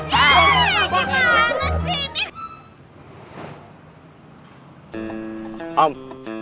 saya mau tenang